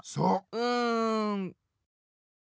うん。